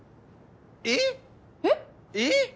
えっ！？えっ？えっ！？